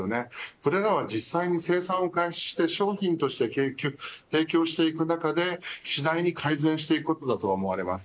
これらは実際に生産を開始して商品として提供していく中で次第に改善していくことだと思われます。